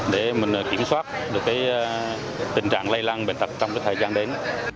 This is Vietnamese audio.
để mình kiểm soát được tình trạng lây lan bệnh tật trong thời gian đến